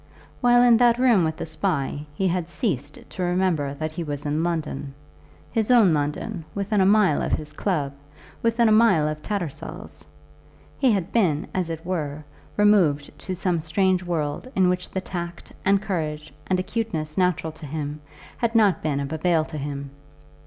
While in that room with the Spy he had ceased to remember that he was in London, his own London, within a mile of his club, within a mile of Tattersall's. He had been, as it were, removed to some strange world in which the tact, and courage, and acuteness natural to him had not been of avail to him.